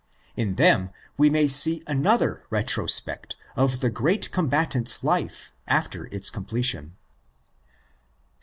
In them we may see another retrospect of the great combatant's life after its completion.